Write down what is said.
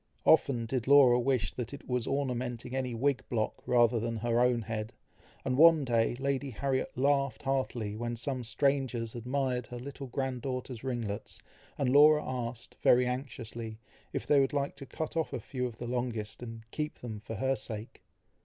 Often did Laura wish that it were ornamenting any wig block, rather than her own head; and one day Lady Harriet laughed heartily, when some strangers admired her little grand daughter's ringlets, and Laura asked, very anxiously, if they would like to cut off a few of the longest, and keep them for her sake.